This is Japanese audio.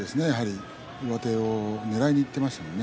上手をねらいにいってましたね。